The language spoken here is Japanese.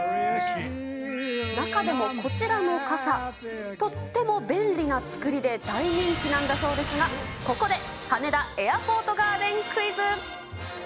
中でもこちらの傘、とっても便利な作りで大人気なんだそうですが、ここで、羽田エアポートガーデンクイズ。